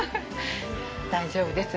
大丈夫です。